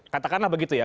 katakanlah begitu ya